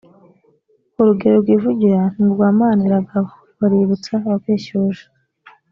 urugero rwivugira ni urwa maniragaba baributsa wabeshyuje